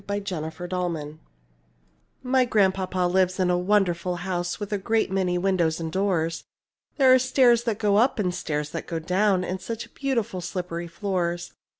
The Painted Ceiling My Grandpapa lives in a wonderful house With a great many windows and doors, There are stairs that go up, and stairs that go down, And such beautiful, slippery floors.